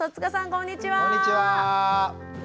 こんにちは！